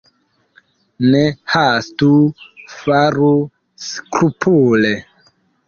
Ne hastu, faru skrupule.